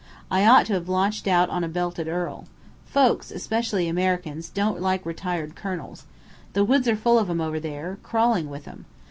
I ought to have launched out on a belted earl. Folks, especially Americans, don't like retired colonels. The woods are full of 'em over there, crawling with 'em.